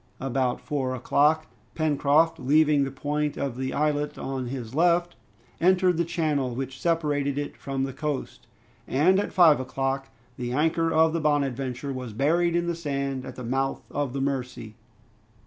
About four o'clock, Pencroft leaving the point of the islet on his left, entered the channel which separated it from the coast, and at five o'clock the anchor of the "Bonadventure" was buried in the sand at the mouth of the Mercy.